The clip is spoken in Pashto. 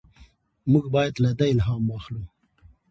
موږ باید له ده الهام واخلو.